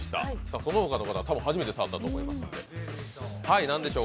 その他の方は、多分初めて使ったと思うので。